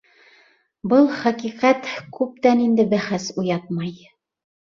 Был хәҡиҡәт күптән инде бәхәс уятмай.